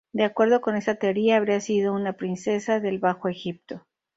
De acuerdo con esta teoría, habría sido una princesa del Bajo Egipto.